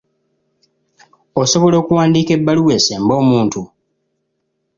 Osobola okuwandiika ebbaluwa esemba omuntu?